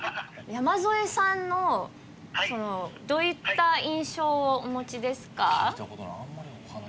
山添さんのどういった印象をお持ちですか？